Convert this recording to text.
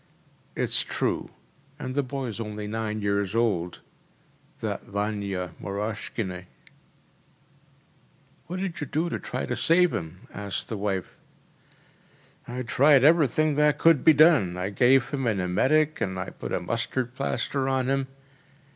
“It’s true. And the boy’s only nine years old, that Vania Moroshkine.‚ÄĚ “What did you do to try to save him?‚ÄĚ asked the wife. “I tried everything that could be done. I gave him an emetic and put a mustard plaster on him.